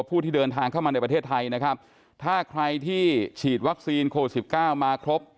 ผู้ที่เดินทางเข้ามาในประเทศไทยนะครับถ้าใครที่ฉีดวัคซีนโควิดสิบเก้ามาครบ